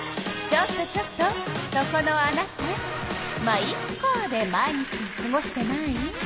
ちょっとちょっとそこのあなた「ま、イッカ」で毎日をすごしてない？